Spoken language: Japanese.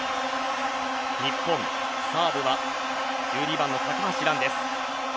日本のサーブは１２番の高橋藍です。